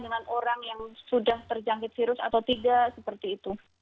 dengan orang yang sudah terjangkit virus atau tidak seperti itu